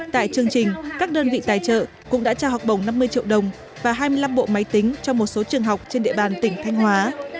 tại chương trình các đơn vị tài trợ cũng đã trao học bổng năm mươi triệu đồng và hai mươi năm bộ máy tính cho một số trường học trên địa bàn tỉnh thanh hóa